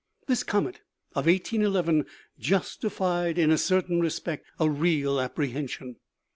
This comet of 1811 justified, in a certain respect, a real apprehension.